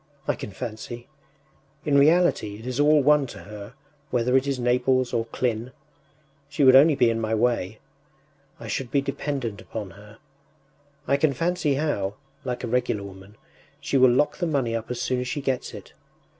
I can fancy... In reality it is all one to her, whether it is Naples or Klin. She would only be in my way. I should be dependent upon her. I can fancy how, like a regular woman, she will lock the money up as soon as she gets it....